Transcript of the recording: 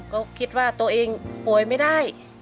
ก็คิดว่าตัวเองป่วยไม่ได้